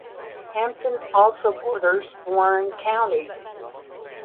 Hampton also borders Warren County.